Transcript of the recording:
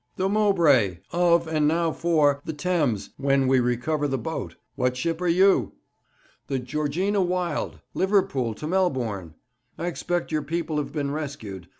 'The Mowbray, of, and now for, the Thames, when we recover the boat. What ship are you?' 'The Georgina Wilde, Liverpool to Melbourne. I expect your people have been rescued.